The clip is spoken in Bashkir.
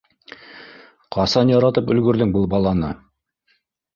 Ҡасан яратып өлгөрҙөң был баланы?